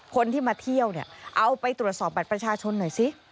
คนที่มาเที่ยวเนี่ยเอาไปตรวจสอบบัตรประชาชนหน่อยสิ